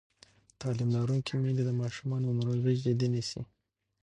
تعلیم لرونکې میندې د ماشومانو ناروغي جدي نیسي.